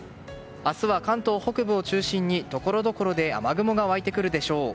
明日は関東北部を中心にところどころで雨雲が湧いてくるでしょう。